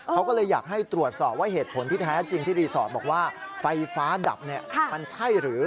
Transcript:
เขาก็เลยอยากให้ตรวจสอบว่าเหตุผลที่แท้จริงที่รีสอร์ทบอกว่าไฟฟ้าดับมันใช่หรือ